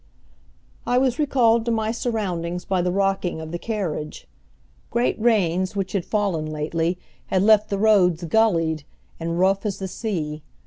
I was recalled to my surroundings by the rocking of the carriage. Great rains, which had fallen lately, had left the roads gullied, and rough as the sea.